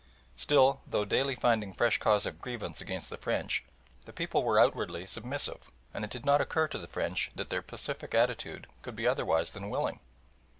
Still, though daily finding fresh cause of grievance against the French, the people were outwardly submissive, and it did not occur to the French that their pacific attitude could be otherwise than willing.